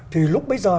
thì lúc bây giờ